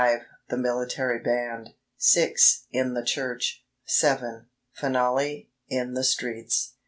THE MILITARY BAND. 6. IN THE CHURCH. 7. FINALLY, IN THE STREETS.